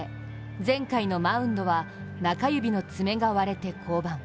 前回のマウンドは、中指の爪が割れて降板。